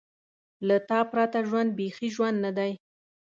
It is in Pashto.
له تا پرته ژوند بېخي ژوند نه دی.